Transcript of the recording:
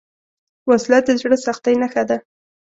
وسله د زړه سختۍ نښه ده